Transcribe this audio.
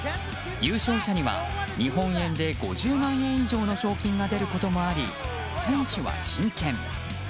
優勝者には日本円で５０万円以上の賞金が出ることもあり選手は真剣。